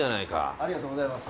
ありがとうございます。